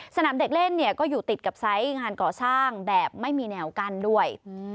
สนามเด็กเล่นเนี่ยก็อยู่ติดกับไซส์งานก่อสร้างแบบไม่มีแนวกั้นด้วย